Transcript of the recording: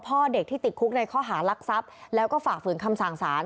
พ่อเด็กที่ติดคุกในข้อหารักทรัพย์แล้วก็ฝ่าฝืนคำสั่งสาร